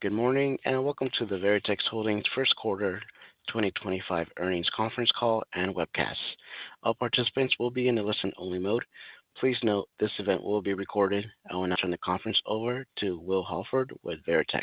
Good morning and welcome to the Veritex Holdings First Quarter 2025 Earnings Conference Call and webcast. All participants will be in a listen-only mode. Please note this event will be recorded. I will now turn the conference over to Will Holford with Veritex.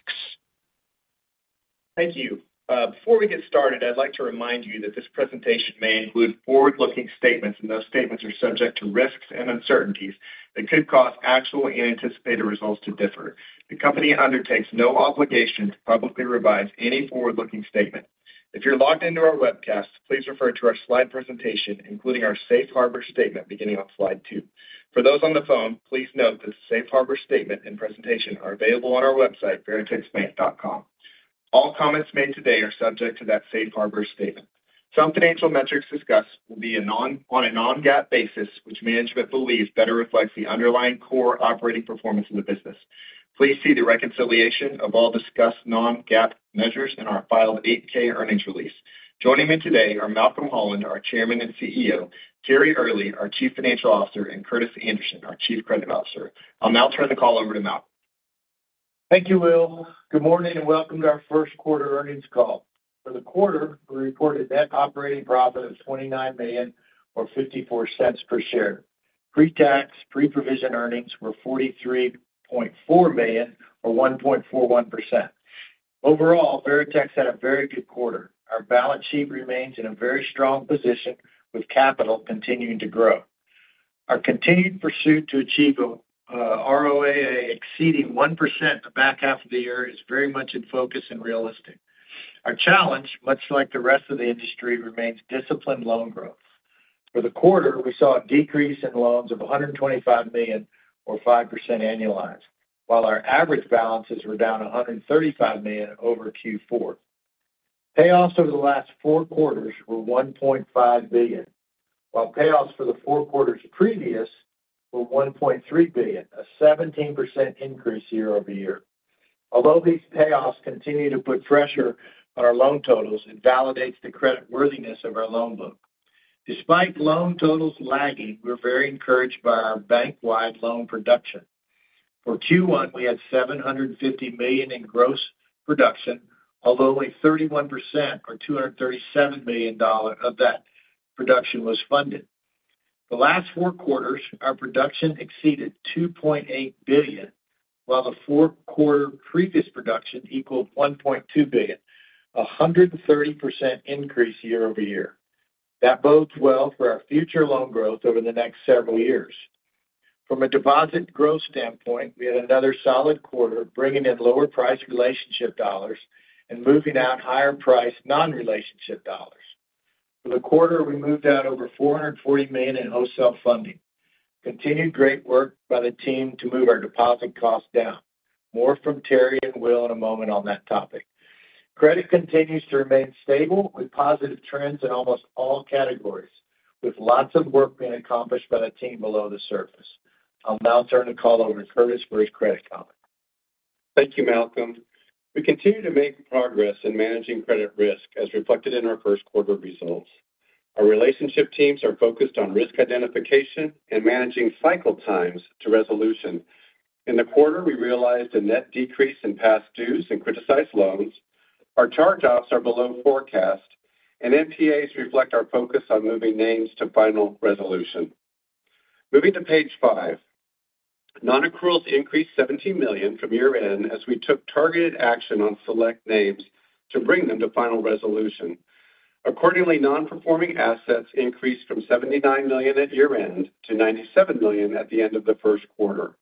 Thank you. Before we get started, I'd like to remind you that this presentation may include forward-looking statements, and those statements are subject to risks and uncertainties that could cause actual and anticipated results to differ. The company undertakes no obligation to publicly revise any forward-looking statement. If you're logged into our webcast, please refer to our slide presentation, including our Safe Harbor statement beginning on slide two. For those on the phone, please note that the Safe Harbor statement and presentation are available on our website, veritexbank.com. All comments made today are subject to that Safe Harbor statement. Some financial metrics discussed will be on a non-GAAP basis, which management believes better reflects the underlying core operating performance of the business. Please see the reconciliation of all discussed non-GAAP measures in our filed 8-K earnings release. Joining me today are Malcolm Holland, our Chairman and CEO; Terry Earley, our Chief Financial Officer; and Curtis Anderson, our Chief Credit Officer. I'll now turn the call over to Malcolm. Thank you, Will. Good morning and welcome to our first quarter earnings call. For the quarter, we reported net operating profit of $29.54 per share. Pre-tax, pre-provision earnings were $43.4 million or 1.41%. Overall, Veritex had a very good quarter. Our balance sheet remains in a very strong position, with capital continuing to grow. Our continued pursuit to achieve an ROA exceeding 1% the back half of the year is very much in focus and realistic. Our challenge, much like the rest of the industry, remains disciplined loan growth. For the quarter, we saw a decrease in loans of $125 million, or 5% annualized, while our average balances were down $135 million over Q4. Payoffs over the last four quarters were $1.5 billion, while payoffs for the four quarters previous were $1.3 billion, a 17% increase year-over-year. Although these payoffs continue to put pressure on our loan totals, it validates the creditworthiness of our loan book. Despite loan totals lagging, we're very encouraged by our bank-wide loan production. For Q1, we had $750 million in gross production, although only 31%, or $237 million, of that production was funded. The last four quarters, our production exceeded $2.8 billion, while the four quarter previous production equaled $1.2 billion, a 130% increase year-over-year. That bodes well for our future loan growth over the next several years. From a deposit growth standpoint, we had another solid quarter, bringing in lower price relationship dollars and moving out higher price non-relationship dollars. For the quarter, we moved out over $440 million in wholesale funding. Continued great work by the team to move our deposit costs down. More from Terry and Will in a moment on that topic. Credit continues to remain stable, with positive trends in almost all categories, with lots of work being accomplished by the team below the surface. I'll now turn the call over to Curtis for his credit comment. Thank you, Malcolm. We continue to make progress in managing credit risk, as reflected in our first quarter results. Our relationship teams are focused on risk identification and managing cycle times to resolution. In the quarter, we realized a net decrease in past dues and criticized loans. Our charge-offs are below forecast, and NPAs reflect our focus on moving names to final resolution. Moving to page five, non-accruals increased $17 million from year-end as we took targeted action on select names to bring them to final resolution. Accordingly, non-performing assets increased from $79 million at year-end to $97 million at the end of the first quarter.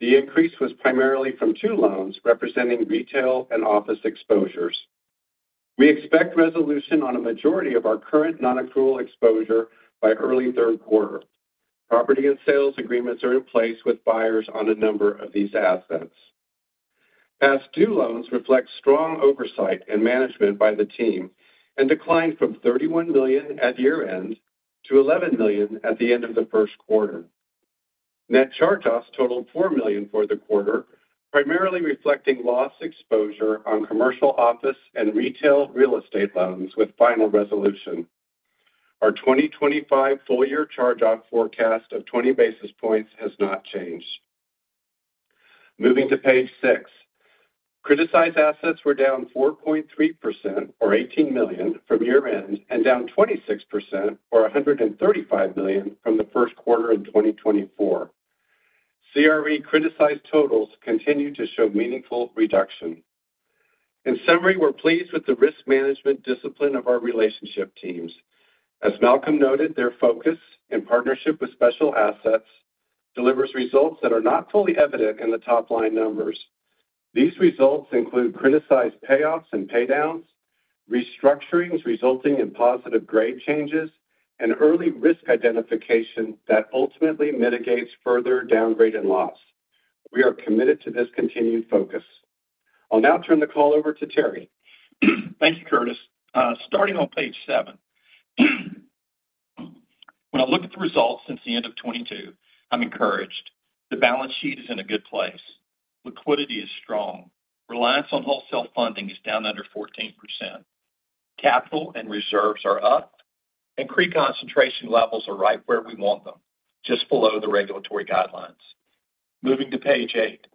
The increase was primarily from two loans representing retail and office exposures. We expect resolution on a majority of our current non-accrual exposure by early third quarter. Property and sales agreements are in place with buyers on a number of these assets. Past due loans reflect strong oversight and management by the team and declined from $31 million at year-end to $11 million at the end of the first quarter. Net charge-offs totaled $4 million for the quarter, primarily reflecting lost exposure on commercial office and retail real estate loans with final resolution. Our 2025 full-year charge-off forecast of 20 basis points has not changed. Moving to page six, criticized assets were down 4.3%, or $18 million, from year-end and down 26%, or $135 million, from the first quarter in 2024. CRE criticized totals continue to show meaningful reduction. In summary, we're pleased with the risk management discipline of our relationship teams. As Malcolm noted, their focus and partnership with special assets delivers results that are not fully evident in the top-line numbers. These results include criticized payoffs and paydowns, restructurings resulting in positive grade changes, and early risk identification that ultimately mitigates further downgrade and loss. We are committed to this continued focus. I'll now turn the call over to Terry. Thank you, Curtis. Starting on page seven, when I look at the results since the end of 2022, I'm encouraged. The balance sheet is in a good place. Liquidity is strong. Reliance on wholesale funding is down under 14%. Capital and reserves are up, and CRE concentration levels are right where we want them, just below the regulatory guidelines. Moving to page eight,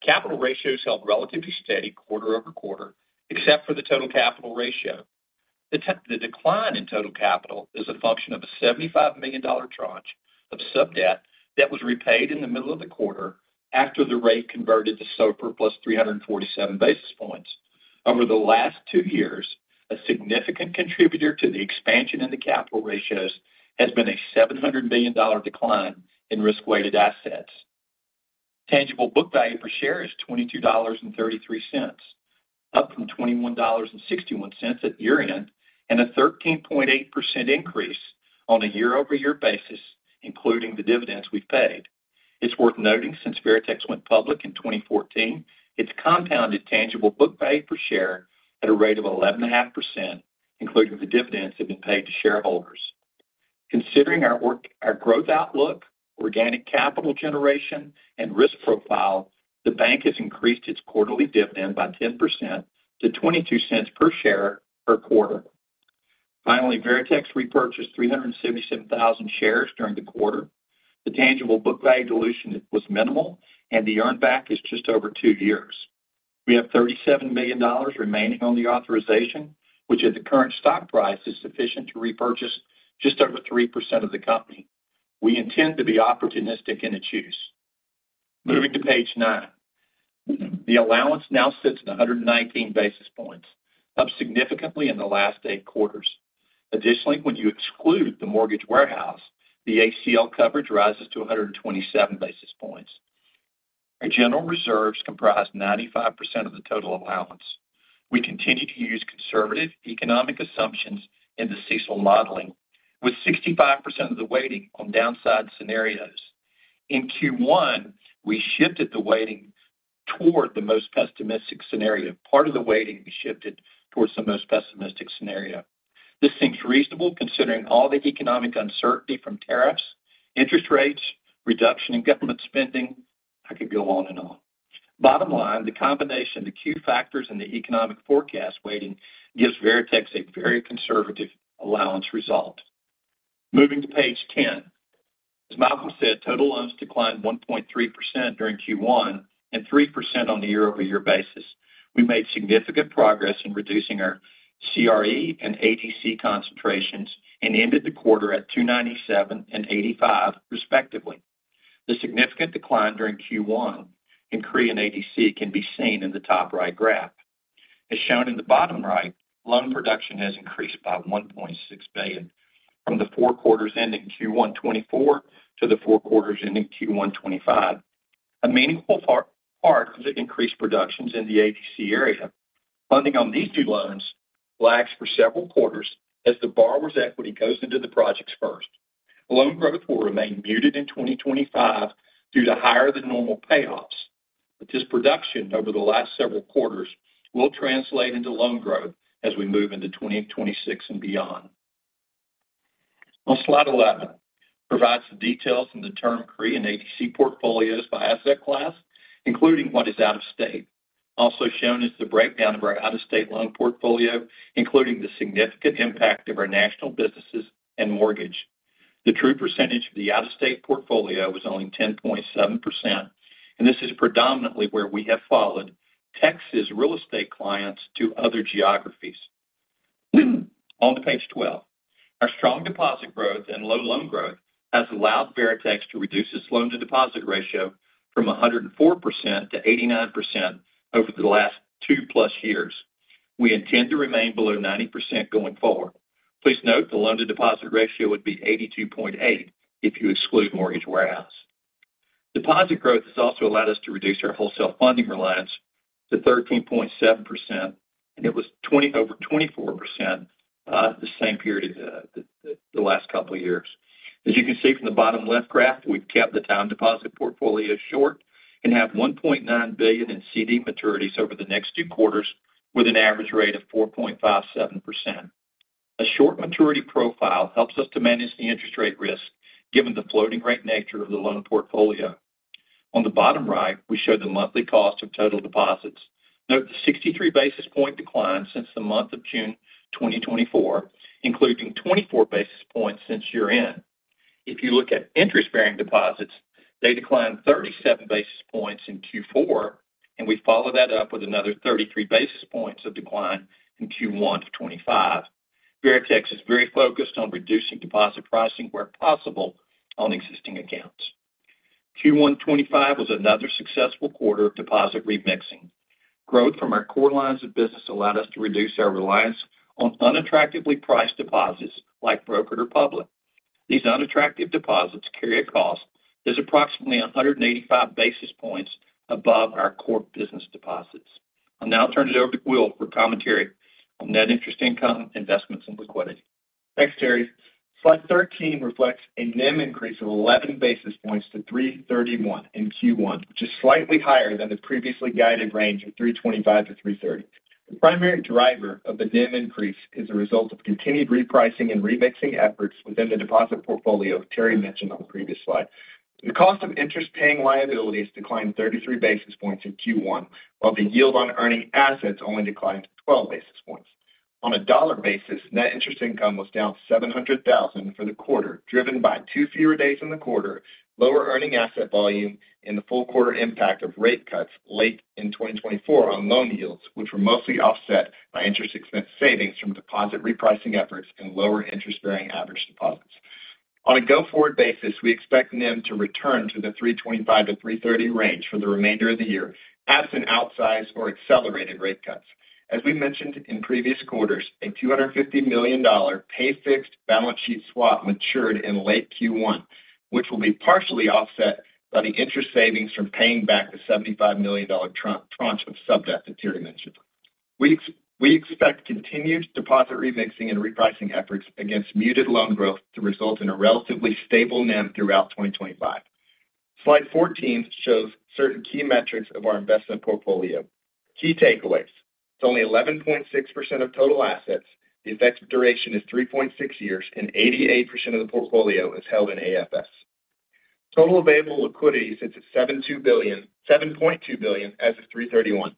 capital ratios held relatively steady quarter over quarter, except for the total capital ratio. The decline in total capital is a function of a $75 million tranche of sub-debt that was repaid in the middle of the quarter after the rate converted to SOFR plus 347 basis points. Over the last two years, a significant contributor to the expansion in the capital ratios has been a $700 million decline in risk-weighted assets. Tangible book value per share is $22.33, up from $21.61 at year-end and a 13.8% increase on a year-over-year basis, including the dividends we've paid. It's worth noting, since Veritex went public in 2014, it's compounded tangible book value per share at a rate of 11.5%, including the dividends that have been paid to shareholders. Considering our growth outlook, organic capital generation, and risk profile, the bank has increased its quarterly dividend by 10% to $0.22 per share per quarter. Finally, Veritex repurchased 377,000 shares during the quarter. The tangible book value dilution was minimal, and the earnback is just over two years. We have $37 million remaining on the authorization, which, at the current stock price, is sufficient to repurchase just over 3% of the company. We intend to be opportunistic in its use. Moving to page nine, the allowance now sits at 119 basis points, up significantly in the last eight quarters. Additionally, when you exclude the mortgage warehouse, the ACL coverage rises to 127 basis points. Our general reserves comprise 95% of the total allowance. We continue to use conservative economic assumptions in the CECL modeling, with 65% of the weighting on downside scenarios. In Q1, we shifted the weighting toward the most pessimistic scenario. Part of the weighting we shifted towards the most pessimistic scenario. This seems reasonable, considering all the economic uncertainty from tariffs, interest rates, reduction in government spending. I could go on and on. Bottom line, the combination of the key factors and the economic forecast weighting gives Veritex a very conservative allowance result. Moving to page ten, as Malcolm said, total loans declined 1.3% during Q1 and 3% on the year-over-year basis. We made significant progress in reducing our CRE and ADC concentrations and ended the quarter at $297 and $85, respectively. The significant decline during Q1 in CRE and ADC can be seen in the top right graph. As shown in the bottom right, loan production has increased by $1.6 billion from the four quarters ending Q1 2024 to the four quarters ending Q1 2025. A meaningful part of the increased production is in the ADC area. Funding on these two loans lags for several quarters as the borrower's equity goes into the projects first. Loan growth will remain muted in 2025 due to higher-than-normal payoffs, but this production over the last several quarters will translate into loan growth as we move into 2026 and beyond. On slide 11, it provides the details in the term CRE and ADC portfolios by asset class, including what is out of state. Also shown is the breakdown of our out-of-state loan portfolio, including the significant impact of our national businesses and mortgage. The true percentage of the out-of-state portfolio was only 10.7%, and this is predominantly where we have followed Texas real estate clients to other geographies. On page 12, our strong deposit growth and low loan growth has allowed Veritex to reduce its loan-to-deposit ratio from 104% to 89% over the last two-plus years. We intend to remain below 90% going forward. Please note the loan-to-deposit ratio would be 82.8% if you exclude mortgage warehouse. Deposit growth has also allowed us to reduce our wholesale funding reliance to 13.7%, and it was over 24% the same period of the last couple of years. As you can see from the bottom-left graph, we've kept the time deposit portfolio short and have $1.9 billion in CD maturities over the next two quarters with an average rate of 4.57%. A short maturity profile helps us to manage the interest rate risk, given the floating-rate nature of the loan portfolio. On the bottom right, we show the monthly cost of total deposits. Note the 63 basis point decline since the month of June 2024, including 24 basis points since year-end. If you look at interest-bearing deposits, they declined 37 basis points in Q4, and we follow that up with another 33 basis points of decline in Q1 2025. Veritex is very focused on reducing deposit pricing where possible on existing accounts. Q1 2025 was another successful quarter of deposit remixing. Growth from our core lines of business allowed us to reduce our reliance on unattractively priced deposits like brokered or public. These unattractive deposits carry a cost that is approximately 185 basis points above our core business deposits. I'll now turn it over to Will for commentary on net interest income, investments, and liquidity. Thanks, Terry. Slide 13 reflects a NIM increase of 11 basis points to 3/31 in Q1, which is slightly higher than the previously guided range of 325-330. The primary driver of the NIM increase is the result of continued repricing and remixing efforts within the deposit portfolio Terry mentioned on the previous slide. The cost of interest-paying liabilities declined 33 basis points in Q1, while the yield on earning assets only declined 12 basis points. On a dollar basis, net interest income was down $700,000 for the quarter, driven by two fewer days in the quarter, lower earning asset volume, and the full quarter impact of rate cuts late in 2024 on loan yields, which were mostly offset by interest-expense savings from deposit repricing efforts and lower interest-bearing average deposits. On a go-forward basis, we expect NIM to return to the 325-330 range for the remainder of the year, absent outsized or accelerated rate cuts. As we mentioned in previous quarters, a $250 million pay-fixed balance sheet swap matured in late Q1, which will be partially offset by the interest savings from paying back the $75 million tranche of sub-debt that Terry mentioned. We expect continued deposit remixing and repricing efforts against muted loan growth to result in a relatively stable NIM throughout 2025. Slide 14 shows certain key metrics of our investment portfolio. Key takeaways: it's only 11.6% of total assets. The effective duration is 3.6 years, and 88% of the portfolio is held in AFS. Total available liquidity sits at $7.2 billion as of 3/31.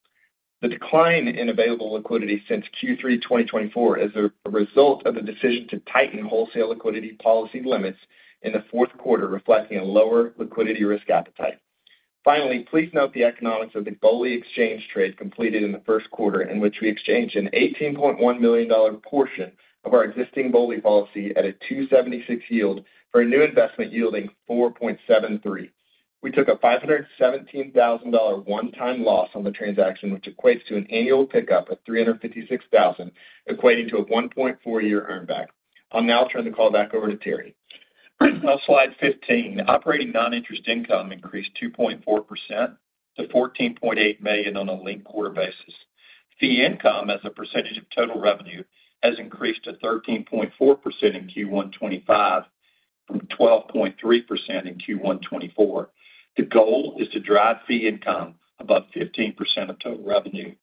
The decline in available liquidity since Q3 2024 is a result of the decision to tighten wholesale liquidity policy limits in the fourth quarter, reflecting a lower liquidity risk appetite. Finally, please note the economics of the BOLI exchange trade completed in the first quarter, in which we exchanged an $18.1 million portion of our existing BOLI policy at a 2.76% yield for a new investment yielding 4.73%. We took a $517,000 one-time loss on the transaction, which equates to an annual pickup of $356,000, equating to a 1.4-year earnback. I'll now turn the call back over to Terry. On slide 15, operating non-interest income increased 2.4% to $14.8 million on a linked quarter basis. Fee income, as a percentage of total revenue, has increased to 13.4% in Q1 2025 from 12.3% in Q1 2024. The goal is to drive fee income above 15% of total revenue.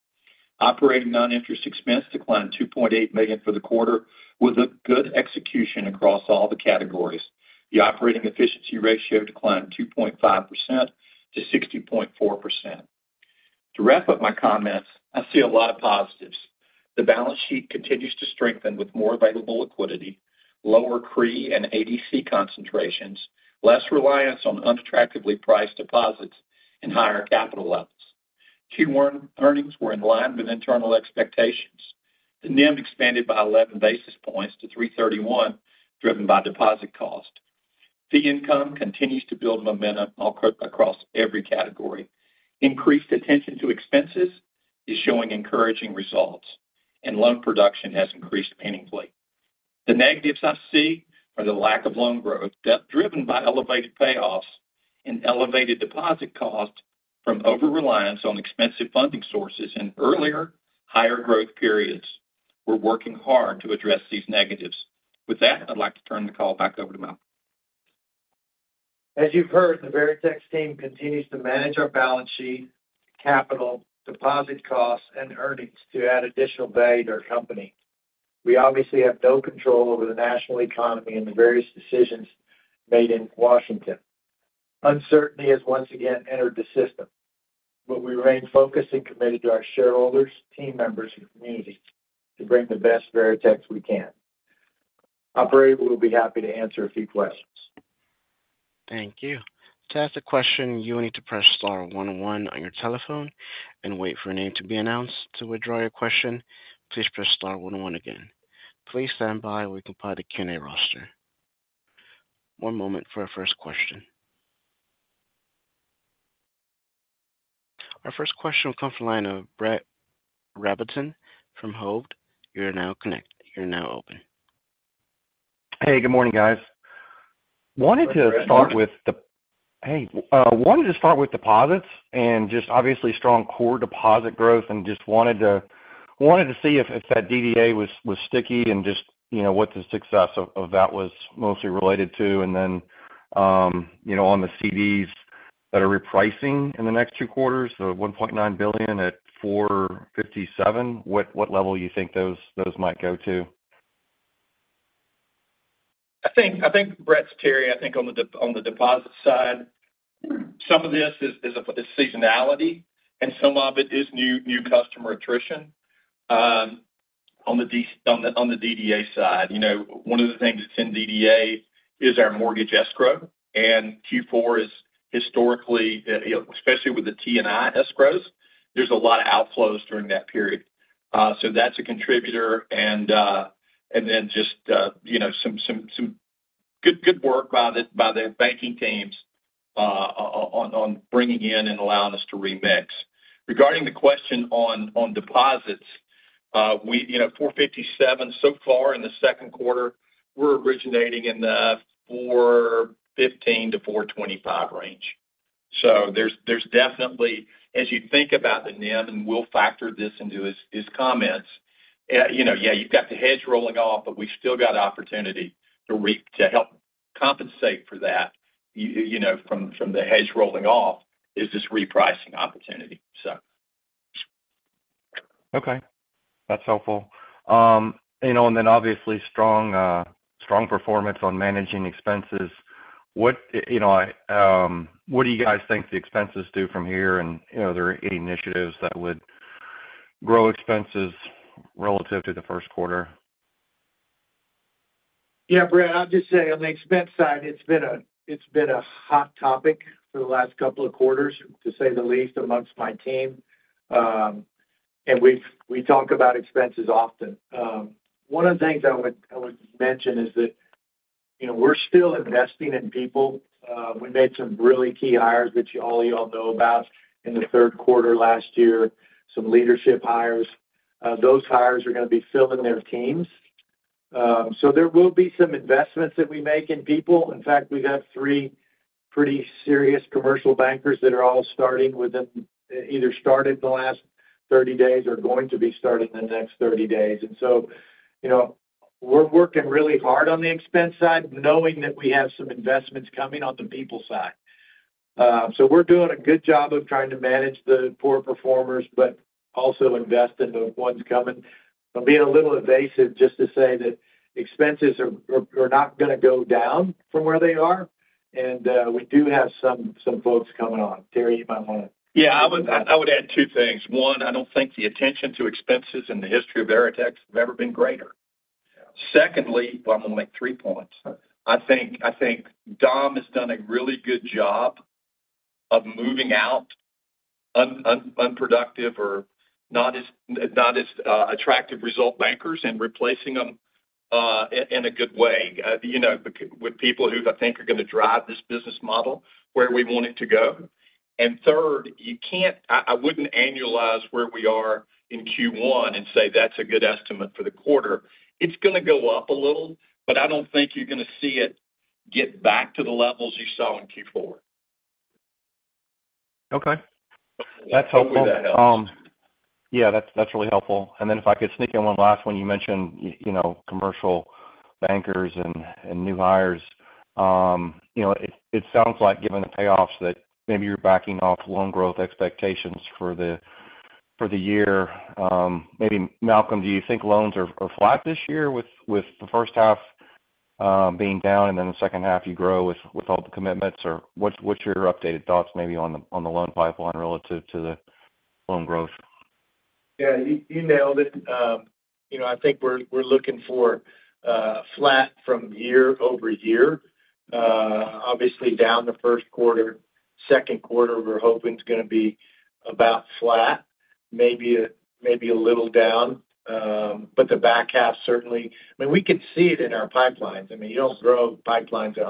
Operating non-interest expense declined $2.8 million for the quarter, with a good execution across all the categories. The operating efficiency ratio declined 2.5% to 60.4%. To wrap up my comments, I see a lot of positives. The balance sheet continues to strengthen with more available liquidity, lower CRE and ADC concentrations, less reliance on unattractively priced deposits, and higher capital levels. Q1 earnings were in line with internal expectations. The NIM expanded by 11 basis points to 3/31, driven by deposit cost. Fee income continues to build momentum across every category. Increased attention to expenses is showing encouraging results, and loan production has increased meaningfully. The negatives I see are the lack of loan growth, driven by elevated payoffs and elevated deposit cost from over-reliance on expensive funding sources in earlier, higher growth periods. We're working hard to address these negatives. With that, I'd like to turn the call back over to Malcolm. As you've heard, the Veritex team continues to manage our balance sheet, capital, deposit costs, and earnings to add additional value to our company. We obviously have no control over the national economy and the various decisions made in Washington. Uncertainty has once again entered the system, but we remain focused and committed to our shareholders, team members, and community to bring the best Veritex we can. Operator will be happy to answer a few questions. Thank you. To ask a question, you will need to press star one-one on your telephone and wait for a name to be announced. To withdraw your question, please press star one-one again. Please stand by while we compile the Q&A roster. One moment for our first question. Our first question will come from Brett Rabatin from Hovde. You're now connected. You're now open. Hey, good morning, guys. Wanted to start with the—wanted to start with deposits and just obviously strong core deposit growth and just wanted to see if that DDA was sticky and just what the success of that was mostly related to. On the CDs that are repricing in the next two quarters, the $1.9 billion at $457, what level you think those might go to? I think, Brett, Terry, I think on the deposit side, some of this is seasonality, and some of it is new customer attrition on the DDA side. One of the things that's in DDA is our mortgage escrow, and Q4 is historically, especially with the T&I escrows, there's a lot of outflows during that period. That's a contributor, and then just some good work by the banking teams on bringing in and allowing us to remix. Regarding the question on deposits, $457 so far in the second quarter, we're originating in the $415-$425 range. There's definitely, as you think about the NIM, and we'll factor this into his comments, yeah, you've got the hedge rolling off, but we've still got opportunity to help compensate for that from the hedge rolling off is this repricing opportunity. Okay. That's helpful. Obviously strong performance on managing expenses. What do you guys think the expenses do from here, and are there any initiatives that would grow expenses relative to the first quarter? Yeah, Brett, I'll just say on the expense side, it's been a hot topic for the last couple of quarters, to say the least, amongst my team, and we talk about expenses often. One of the things I would mention is that we're still investing in people. We made some really key hires that all y'all know about in the third quarter last year, some leadership hires. Those hires are going to be filling their teams. There will be some investments that we make in people. In fact, we've had three pretty serious commercial bankers that are all starting within either started in the last 30 days or going to be starting in the next 30 days. We are working really hard on the expense side, knowing that we have some investments coming on the people side. We're doing a good job of trying to manage the poor performers, but also invest in the ones coming. I'll be a little evasive just to say that expenses are not going to go down from where they are, and we do have some folks coming on. Terry, you might want to. Yeah, I would add two things. One, I do not think the attention to expenses in the history of Veritex has ever been greater. Secondly, I am going to make three points. I think Dom has done a really good job of moving out unproductive or not as attractive result bankers and replacing them in a good way with people who I think are going to drive this business model where we want it to go. Third, you cannot—I would not annualize where we are in Q1 and say that is a good estimate for the quarter. It is going to go up a little, but I do not think you are going to see it get back to the levels you saw in Q4. Okay. That's hopefully that helps. Yeah, that's really helpful. If I could sneak in one last one, you mentioned commercial bankers and new hires. It sounds like, given the payoffs, that maybe you're backing off loan growth expectations for the year. Maybe, Malcolm, do you think loans are flat this year with the first half being down and then the second half you grow with all the commitments? What's your updated thoughts maybe on the loan pipeline relative to the loan growth? Yeah, you nailed it. I think we're looking for flat from year-over-year. Obviously, down the first quarter, second quarter, we're hoping it's going to be about flat, maybe a little down. The back half certainly—I mean, we could see it in our pipelines. I mean, you don't grow pipelines at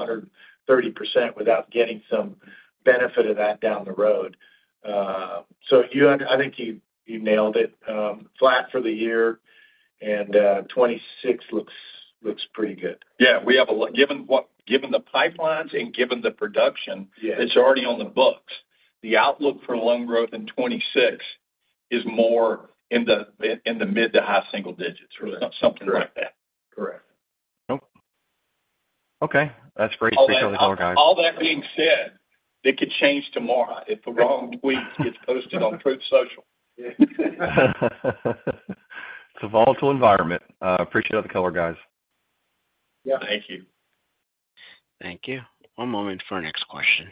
130% without getting some benefit of that down the road. I think you nailed it. Flat for the year, and 2026 looks pretty good. Yeah. Given the pipelines and given the production that's already on the books, the outlook for loan growth in 2026 is more in the mid to high single digits, something like that. Okay. Okay. That's great details, all guys. All that being said, it could change tomorrow if the wrong tweet gets posted on Truth Social. It's a volatile environment. Appreciate all the color, guys. Yeah. Thank you. Thank you. One moment for our next question.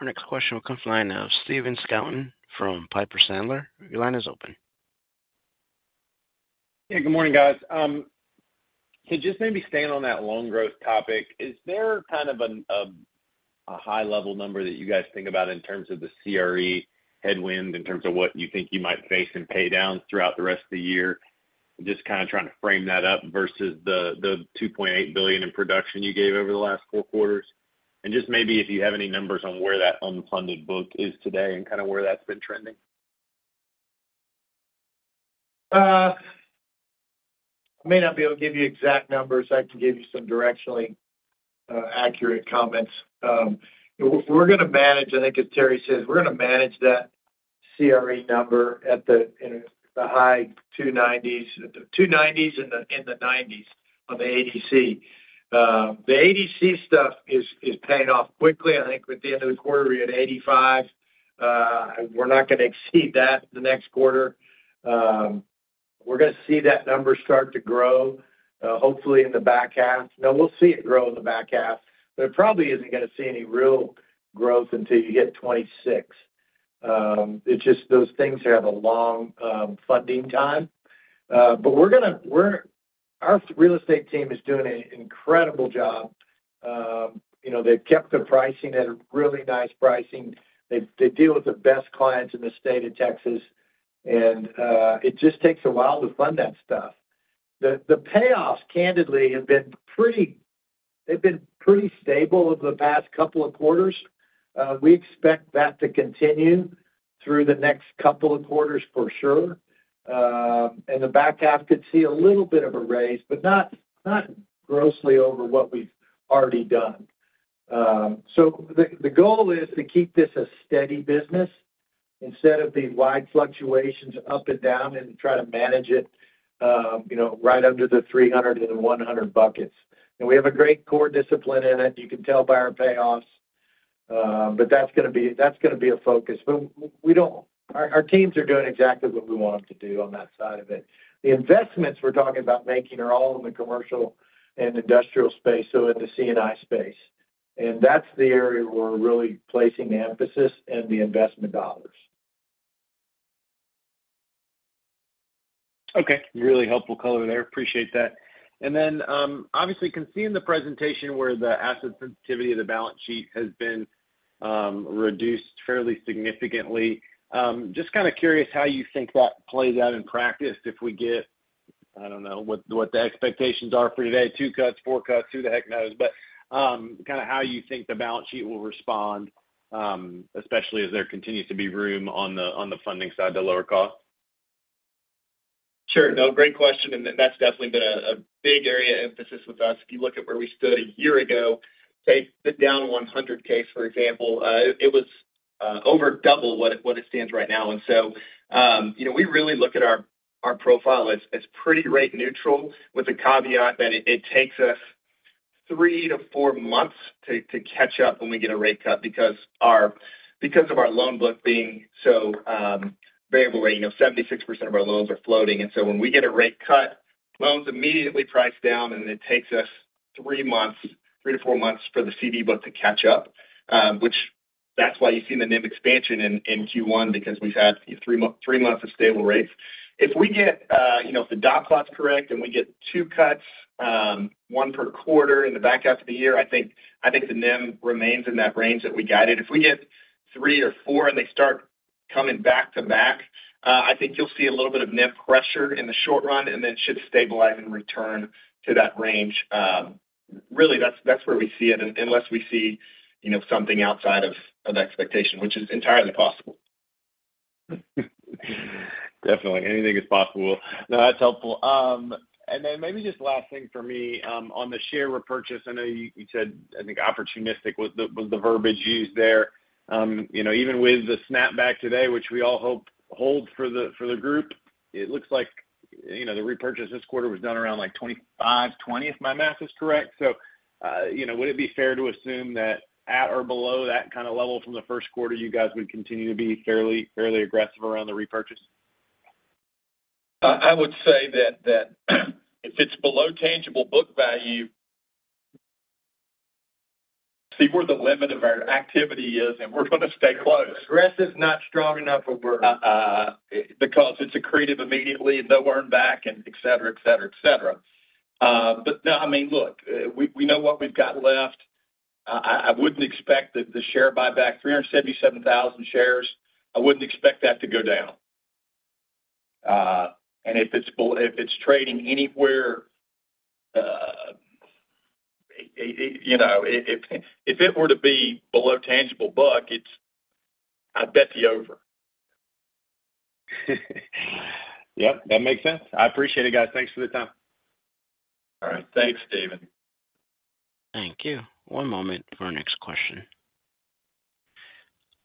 Our next question will come from Stephen Scouten from Piper Sandler. Your line is open. Hey, good morning, guys. Just maybe staying on that loan growth topic, is there kind of a high-level number that you guys think about in terms of the CRE headwind, in terms of what you think you might face in pay down throughout the rest of the year? Just kind of trying to frame that up versus the $2.8 billion in production you gave over the last four quarters. Just maybe if you have any numbers on where that unfunded book is today and kind of where that's been trending. I may not be able to give you exact numbers. I can give you some directionally accurate comments. We're going to manage, I think, as Terry says, we're going to manage that CRE number at the high 290s and the 90s on the ADC. The ADC stuff is paying off quickly. I think at the end of the quarter, we had 85. We're not going to exceed that the next quarter. We're going to see that number start to grow, hopefully in the back half. Now, we'll see it grow in the back half, but it probably isn't going to see any real growth until you hit 2026. It's just those things have a long funding time. Our real estate team is doing an incredible job. They've kept the pricing at a really nice pricing. They deal with the best clients in the state of Texas, and it just takes a while to fund that stuff. The payoffs, candidly, have been pretty—they've been pretty stable over the past couple of quarters. We expect that to continue through the next couple of quarters for sure. The back half could see a little bit of a raise, but not grossly over what we've already done. The goal is to keep this a steady business instead of the wide fluctuations up and down and try to manage it right under the 300 and the 100 buckets. We have a great core discipline in it. You can tell by our payoffs, but that's going to be a focus. Our teams are doing exactly what we want them to do on that side of it. The investments we're talking about making are all in the commercial and industrial space, so in the C&I space. That's the area we're really placing the emphasis and the investment dollars. Okay. Really helpful color there. Appreciate that. Obviously, you can see in the presentation where the asset sensitivity of the balance sheet has been reduced fairly significantly. Just kind of curious how you think that plays out in practice if we get—I do not know what the expectations are for today, two cuts, four cuts, who the heck knows—but kind of how you think the balance sheet will respond, especially as there continues to be room on the funding side to lower cost. Sure. No, great question. That has definitely been a big area of emphasis with us. If you look at where we stood a year ago, say the down 100 case, for example, it was over double what it stands right now. We really look at our profile as pretty rate neutral with a caveat that it takes us three to four months to catch up when we get a rate cut because of our loan book being so variable rate. 76% of our loans are floating. When we get a rate cut, loans immediately price down, and it takes us three to four months for the CD book to catch up, which is why you see the NIM expansion in Q1 because we have had three months of stable rates. If we get—if the dot plot's correct and we get two cuts, one per quarter in the back half of the year, I think the NIM remains in that range that we guided. If we get three or four and they start coming back to back, I think you'll see a little bit of NIM pressure in the short run, and then it should stabilize and return to that range. Really, that's where we see it unless we see something outside of expectation, which is entirely possible. Definitely. Anything is possible. No, that's helpful. Maybe just last thing for me on the share repurchase. I know you said, I think, opportunistic was the verbiage used there. Even with the snapback today, which we all hope holds for the group, it looks like the repurchase this quarter was done around $25.20, if my math is correct. Would it be fair to assume that at or below that kind of level from the first quarter, you guys would continue to be fairly aggressive around the repurchase? I would say that if it's below tangible book value, see where the limit of our activity is, and we're going to stay close. Aggressive's not strong enough, but we're. Because it's accretive immediately, no earned back, and etc., etc., etc. No, I mean, look, we know what we've got left. I wouldn't expect that the share buyback, 377,000 shares, I wouldn't expect that to go down. If it's trading anywhere, if it were to be below tangible book, I bet the over. Yep. That makes sense. I appreciate it, guys. Thanks for the time. All right. Thanks, Steven. Thank you. One moment for our next question.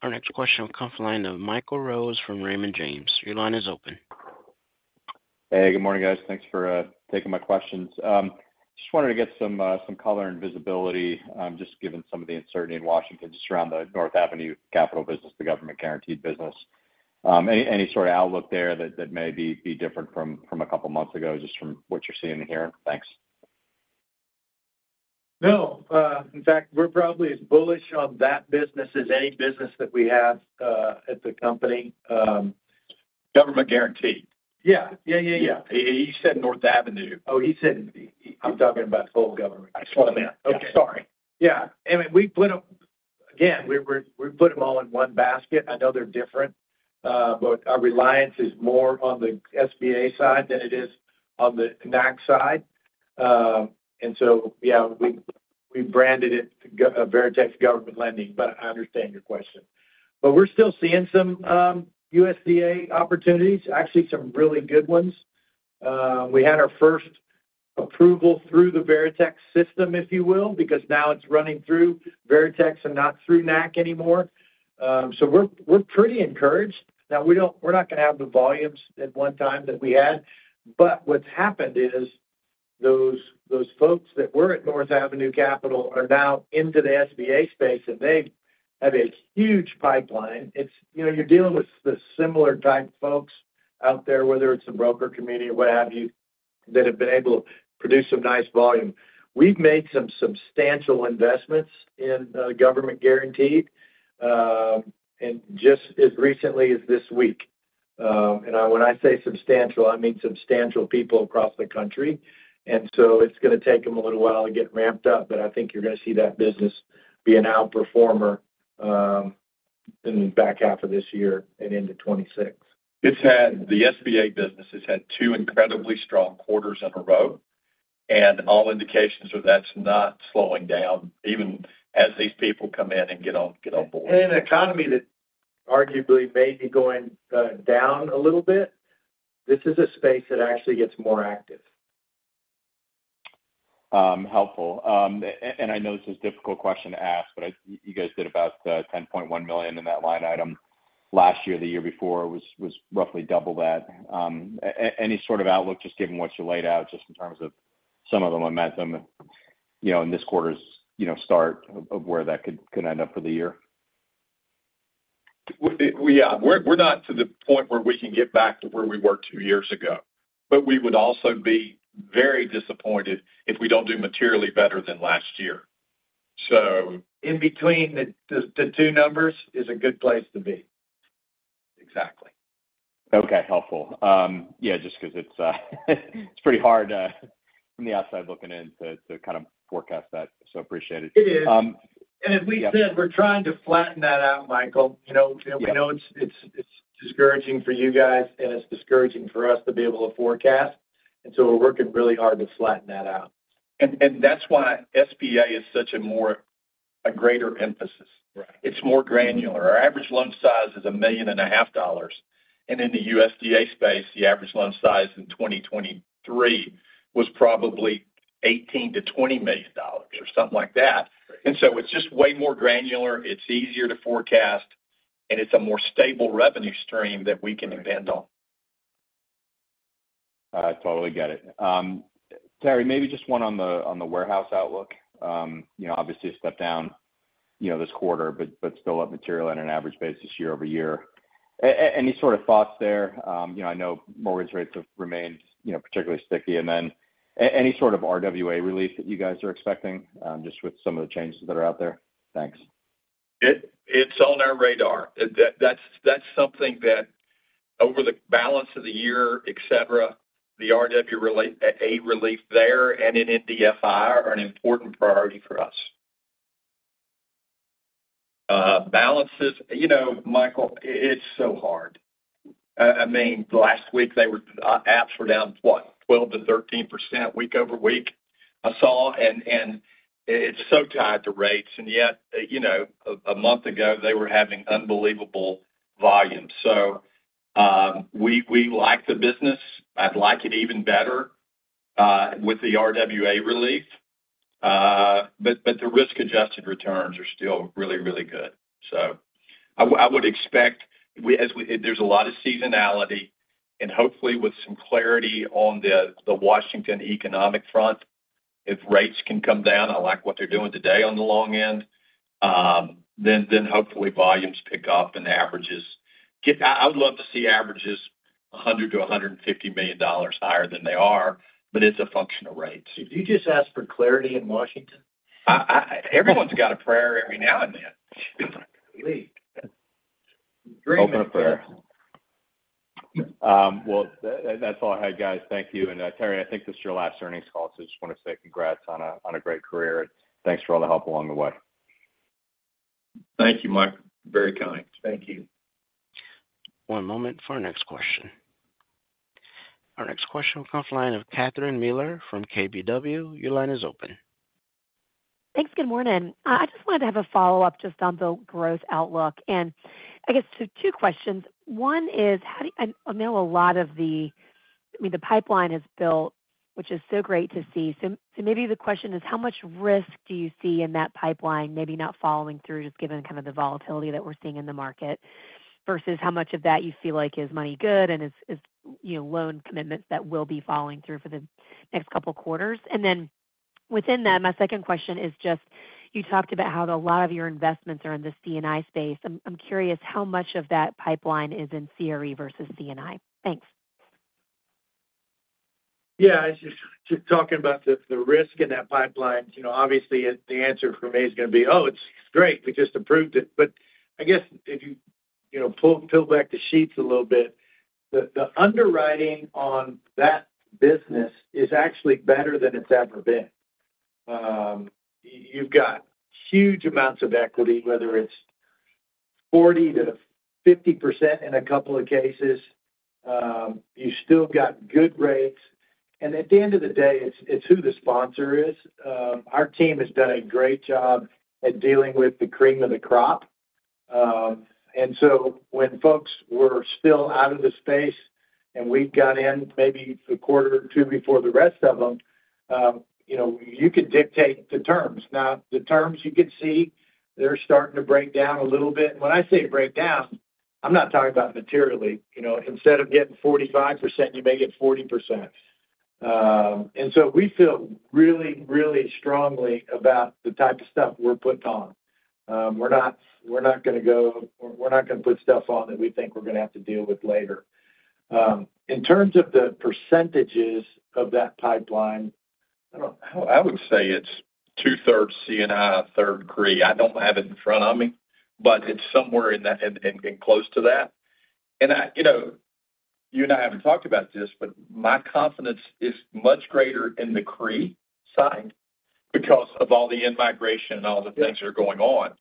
Our next question will come from the line of Michael Rose from Raymond James. Your line is open. Hey, good morning, guys. Thanks for taking my questions. Just wanted to get some color and visibility, just given some of the uncertainty in Washington just around the North Avenue Capital business, the government-guaranteed business. Any sort of outlook there that may be different from a couple of months ago, just from what you're seeing here? Thanks. No. In fact, we're probably as bullish on that business as any business that we have at the company. Government guaranteed. Yeah. Yeah. He said North Avenue. Oh, he said I'm talking about full government. I swear to man. Okay. Sorry. Yeah. I mean, again, we put them all in one basket. I know they're different, but our reliance is more on the SBA side than it is on the NAC side. Yeah, we branded it Veritex Government Lending, but I understand your question. We're still seeing some USDA opportunities, actually some really good ones. We had our first approval through the Veritex system, if you will, because now it's running through Veritex and not through NAC anymore. We're pretty encouraged. We're not going to have the volumes at one time that we had, but what's happened is those folks that were at North Avenue Capital are now into the SBA space, and they have a huge pipeline. You're dealing with the similar type folks out there, whether it's a broker community or what have you, that have been able to produce some nice volume. We've made some substantial investments in government guaranteed just as recently as this week. When I say substantial, I mean substantial people across the country. It is going to take them a little while to get ramped up, but I think you're going to see that business be an outperformer in the back half of this year and into 2026. The SBA business has had two incredibly strong quarters in a row, and all indications are that's not slowing down, even as these people come in and get on board. In an economy that arguably may be going down a little bit, this is a space that actually gets more active. Helpful. I know this is a difficult question to ask, but you guys did about $10.1 million in that line item last year. The year before was roughly double that. Any sort of outlook, just given what you laid out, just in terms of some of the momentum in this quarter's start of where that could end up for the year? Yeah. We're not to the point where we can get back to where we were two years ago, but we would also be very disappointed if we don't do materially better than last year. In between the two numbers is a good place to be. Exactly. Okay. Helpful. Yeah, just because it's pretty hard from the outside looking in to kind of forecast that. So appreciate it. It is. As we said, we're trying to flatten that out, Michael. We know it's discouraging for you guys, and it's discouraging for us to be able to forecast. We're working really hard to flatten that out. That's why SBA is such a greater emphasis. It's more granular. Our average loan size is $1,500,000. In the USDA space, the average loan size in 2023 was probably $18 million-$20 million or something like that. It's just way more granular. It's easier to forecast, and it's a more stable revenue stream that we can depend on. I totally get it. Terry, maybe just one on the warehouse outlook. Obviously, a step down this quarter, but still up material on an average basis year-over-year. Any sort of thoughts there? I know mortgage rates have remained particularly sticky. Any sort of RWA relief that you guys are expecting, just with some of the changes that are out there? Thanks. It's on our radar. That's something that over the balance of the year, etc., the RWA relief there and in NDFI are an important priority for us. Balances, Michael, it's so hard. I mean, last week, apps were down, what, 12%-13% week over week. I saw, and it's so tied to rates. Yet, a month ago, they were having unbelievable volume. We like the business. I'd like it even better with the RWA relief. The risk-adjusted returns are still really, really good. I would expect there's a lot of seasonality. Hopefully, with some clarity on the Washington economic front, if rates can come down, I like what they're doing today on the long end, hopefully volumes pick up and averages. I would love to see averages $100 million-$150 million higher than they are, but it's a function of rates. Did you just ask for clarity in Washington? Everyone's got a prayer every now and then. Open up there. That is all I had, guys. Thank you. Terry, I think this is your last earnings call, so I just want to say congrats on a great career. Thanks for all the help along the way. Thank you, Michael. Very kind. Thank you. One moment for our next question. Our next question will come from the line of Catherine Mealor from KBW. Your line is open. Thanks. Good morning. I just wanted to have a follow-up just on the growth outlook. I guess two questions. One is, I know a lot of the, I mean, the pipeline has built, which is so great to see. Maybe the question is, how much risk do you see in that pipeline, maybe not following through, just given kind of the volatility that we're seeing in the market, versus how much of that you feel like is money good and is loan commitments that will be following through for the next couple of quarters? Within that, my second question is just, you talked about how a lot of your investments are in the C&I space. I'm curious how much of that pipeline is in CRE versus C&I. Thanks. Yeah. Just talking about the risk in that pipeline, obviously, the answer for me is going to be, "Oh, it's great. We just approved it." I guess if you pull back the sheets a little bit, the underwriting on that business is actually better than it's ever been. You've got huge amounts of equity, whether it's 40-50% in a couple of cases. You've still got good rates. At the end of the day, it's who the sponsor is. Our team has done a great job at dealing with the cream of the crop. When folks were still out of the space and we got in maybe a quarter or two before the rest of them, you could dictate the terms. Now, the terms you could see, they're starting to break down a little bit. When I say break down, I'm not talking about materially. Instead of getting 45%, you may get 40%. We feel really, really strongly about the type of stuff we're putting on. We're not going to put stuff on that we think we're going to have to deal with later. In terms of the percentages of that pipeline, I don't know. I would say it's two-thirds C&I, a third CRE. I don't have it in front of me, but it's somewhere in close to that. You and I haven't talked about this, but my confidence is much greater in the CRE side because of all the in-migration and all the things that are going on.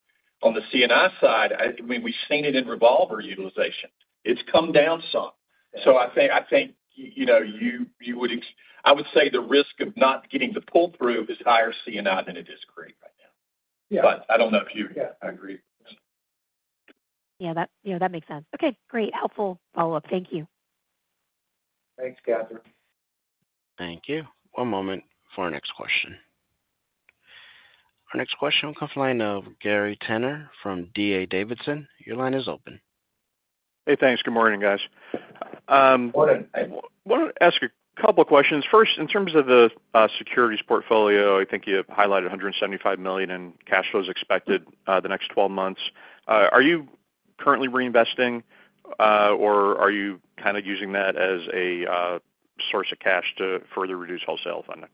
On the C&I side, I mean, we've seen it in revolver utilization. It's come down some. I think you would, I would say the risk of not getting the pull-through is higher C&I than it is CRE right now. I don't know if you agree with this. Yeah. That makes sense. Okay. Great. Helpful follow-up. Thank you. Thanks, Catherine. Thank you. One moment for our next question. Our next question will come from the line of Gary Tenner from D.A. Davidson. Your line is open. Hey, thanks. Good morning, guys. Good morning. I want to ask a couple of questions. First, in terms of the securities portfolio, I think you highlighted $175 million in cash flows expected the next 12 months. Are you currently reinvesting, or are you kind of using that as a source of cash to further reduce wholesale funding?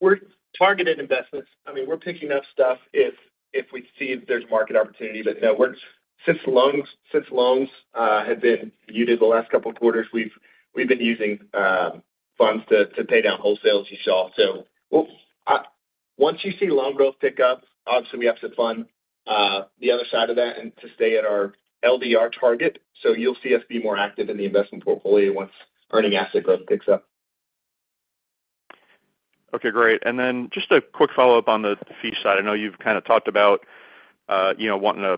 We're targeted investments. I mean, we're picking up stuff if we see if there's market opportunity. No, since loans have been muted the last couple of quarters, we've been using funds to pay down wholesale as you saw. Once you see loan growth pick up, obviously, we have to fund the other side of that to stay at our LDR target. You'll see us be more active in the investment portfolio once earning asset growth picks up. Okay. Great. Just a quick follow-up on the fee side. I know you've kind of talked about wanting a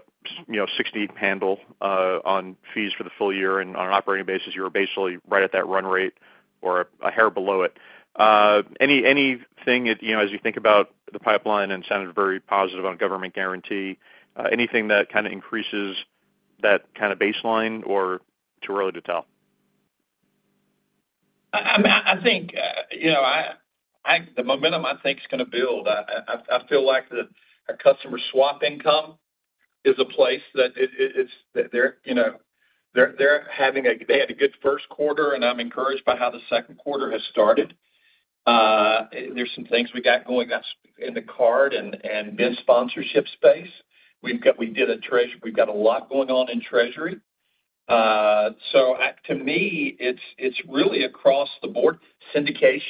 60 handle on fees for the full year. On an operating basis, you were basically right at that run rate or a hair below it. Anything, as you think about the pipeline and sounded very positive on government guarantee, anything that kind of increases that kind of baseline or too early to tell? I mean, I think the momentum I think is going to build. I feel like our customer swap income is a place that they're having a they had a good first quarter, and I'm encouraged by how the second quarter has started. There's some things we got going in the card and the sponsorship space. We did a treasury, we've got a lot going on in treasury. To me, it's really across the board, syndications.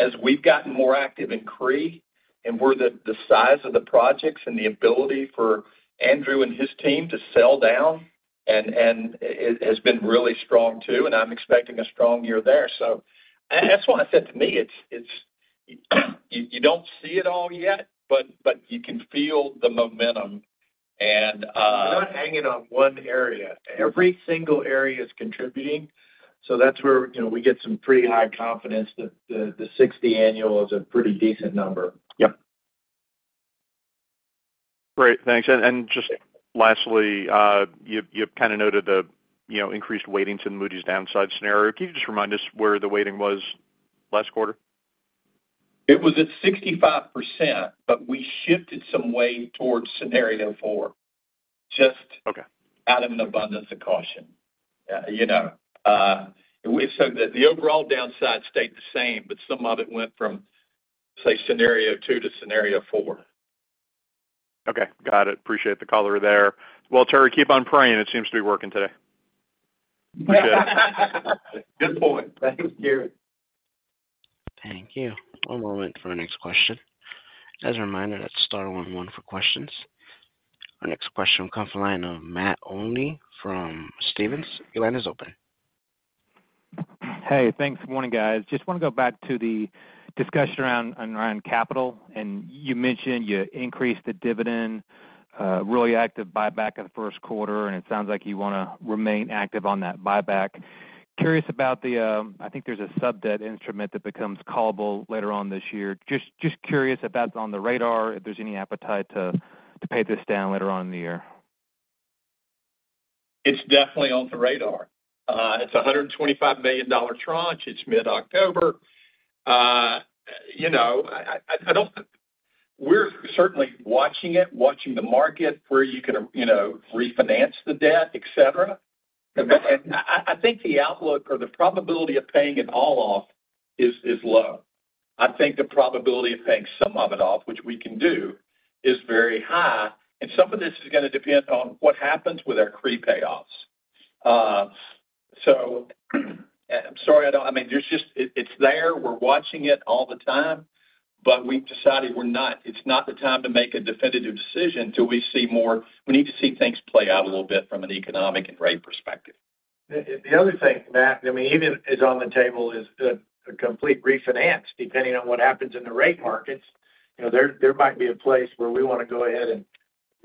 As we've gotten more active in CRE and where the size of the projects and the ability for Andrew and his team to sell down, it has been really strong too, and I'm expecting a strong year there. That's why I said to me, you don't see it all yet, but you can feel the momentum. We're not hanging on one area. Every single area is contributing. That's where we get some pretty high confidence that the 60 annual is a pretty decent number. Yep. Great. Thanks. Just lastly, you kind of noted the increased weighting to Moody's downside scenario. Can you just remind us where the weighting was last quarter? It was at 65%, but we shifted some weight towards scenario four, just out of an abundance of caution. The overall downside stayed the same, but some of it went from, say, scenario two to scenario four. Okay. Got it. Appreciate the color there. Terry, keep on praying. It seems to be working today. Good point. Thanks, Gary. Thank you. One moment for our next question. As a reminder, that's star one-one for questions. Our next question will come from the line of Matt Olney from Stephens. Your line is open. Hey, thanks. Good morning, guys. Just want to go back to the discussion around capital. You mentioned you increased the dividend, really active buyback in the first quarter, and it sounds like you want to remain active on that buyback. Curious about the, I think there's a sub-debt instrument that becomes callable later on this year. Just curious if that's on the radar, if there's any appetite to pay this down later on in the year. It's definitely on the radar. It's a $125 million tranche. It's mid-October. I don't think we're certainly watching it, watching the market where you can refinance the debt, etc. I think the outlook or the probability of paying it all off is low. I think the probability of paying some of it off, which we can do, is very high. Some of this is going to depend on what happens with our CRE payoffs. I'm sorry. I mean, it's there. We're watching it all the time, but we've decided we're not. It's not the time to make a definitive decision until we see more. We need to see things play out a little bit from an economic and rate perspective. The other thing, Matt, I mean, even is on the table is a complete refinance, depending on what happens in the rate markets. There might be a place where we want to go ahead and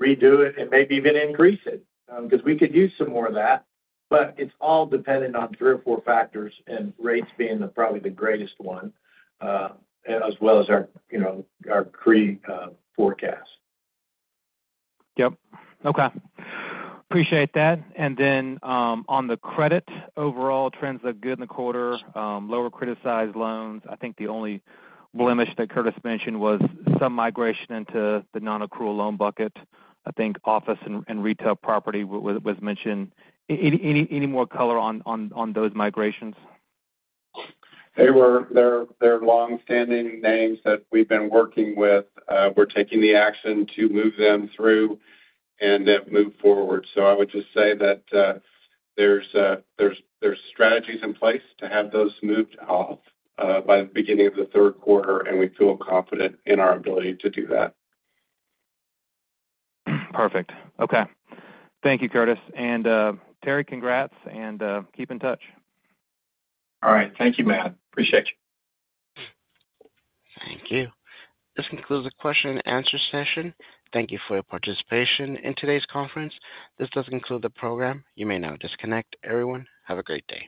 redo it and maybe even increase it because we could use some more of that. It is all dependent on three or four factors and rates being probably the greatest one, as well as our CRE forecast. Yep. Okay. Appreciate that. On the credit, overall trends look good in the quarter. Lower credit-sized loans. I think the only blemish that Curtis mentioned was some migration into the non-accrual loan bucket. I think office and retail property was mentioned. Any more color on those migrations? They were long-standing names that we've been working with. We're taking the action to move them through and then move forward. I would just say that there's strategies in place to have those moved off by the beginning of the third quarter, and we feel confident in our ability to do that. Perfect. Okay. Thank you, Curtis. Terry, congrats, and keep in touch. All right. Thank you, Matt. Appreciate you. Thank you. This concludes the question and answer session. Thank you for your participation in today's conference. This does conclude the program. You may now disconnect. Everyone, have a great day.